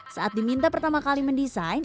saat diminta pertama kali mendesain